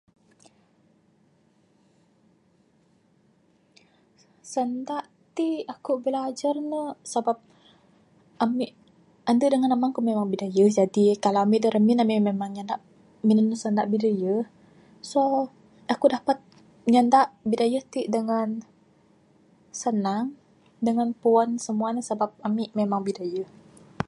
Sanda ti aku bilajar ne sabab ami, ande dengan amang ku memang bidayuh jadi kalau ami da ramin ami memang nyanda minen sanda bidayuh. So, aku dapet nyanda bidayuh ti dengan sanang dengan puen semua ne sebab ami memang bidayuh.